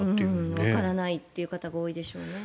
わからないという方が多いでしょうね。